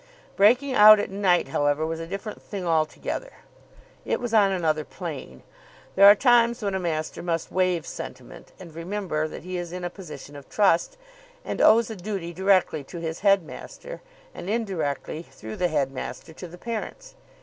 Breaking out at night, however, was a different thing altogether. It was on another plane. There are times when a master must waive sentiment, and remember that he is in a position of trust, and owes a duty directly to his headmaster, and indirectly, through the headmaster, to the parents.